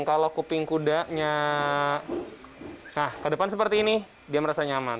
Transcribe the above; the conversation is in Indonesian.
kalau kuping kudanya nah ke depan seperti ini dia merasa nyaman